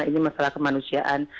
ini masalah kemanusiaan